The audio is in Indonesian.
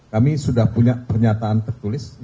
kami sudah punya pernyataan tertulis